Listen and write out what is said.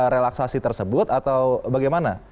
relaksasi tersebut atau bagaimana